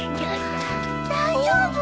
大丈夫？